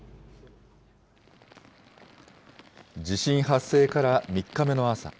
地震発生から３日目の朝。